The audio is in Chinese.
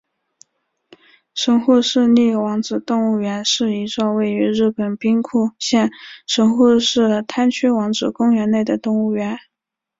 神户市立王子动物园是一座位于日本兵库县神户市滩区王子公园内的动物园。